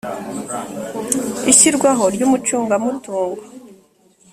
ishyirwaho ry umucungamutungo